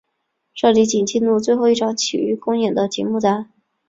这里仅记录最后一场琦玉公演的节目单。